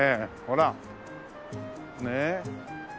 ほら！ねえ。